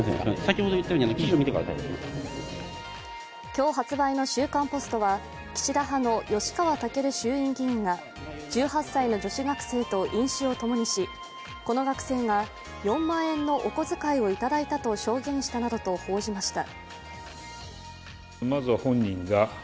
今日発売の「週刊ポスト」は岸田派の吉川赳衆院議員が１８歳の女子学生と飲酒を共にしこの学生が、４万円のお小遣いを頂いたと証言したなどと報じました。